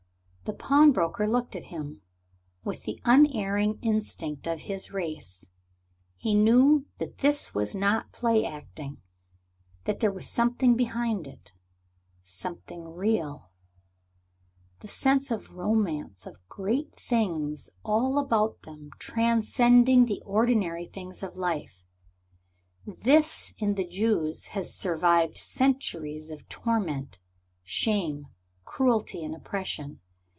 The pawnbroker looked at him. With the unerring instinct of his race, he knew that this was not play acting, that there was something behind it something real. The sense of romance, of great things all about them transcending the ordinary things of life this in the Jews has survived centuries of torment, shame, cruelty, and oppression.